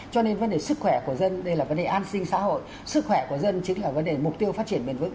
cho nên vấn đề sức khỏe của dân đây là vấn đề an sinh xã hội sức khỏe của dân chính là vấn đề mục tiêu phát triển bền vững